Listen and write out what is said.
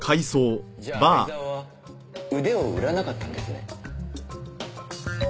じゃあ相沢は腕を売らなかったんですね？